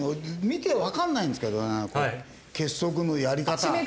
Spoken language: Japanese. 見てわかんないんですけどね結束のやり方。